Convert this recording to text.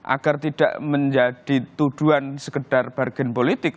agar tidak menjadi tuduhan sekedar bargain politik